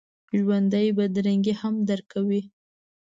ژوندي بدرنګي هم درک کوي